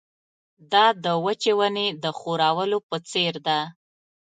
دا د وچې ونې د ښورولو په څېر ده.